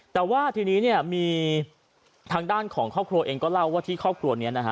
แต่ว่าทีนี้เนี่ยมีทางด้านของครอบครัวเองก็เล่าว่าที่ครอบครัวนี้นะฮะ